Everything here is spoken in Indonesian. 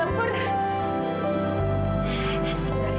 nasi gorengnya sekarang udah